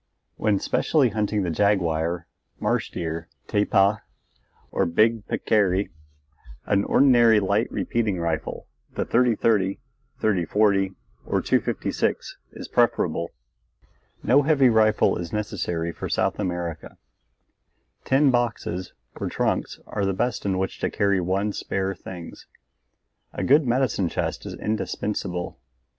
When specially hunting the jaguar, marsh deer, tapir, or big peccary, an ordinary light repeating rifle the 30 30, 30 40, or 256 is preferable. No heavy rifle is necessary for South America. Tin boxes or trunks are the best in which to carry one's spare things. A good medicine chest is indispensable.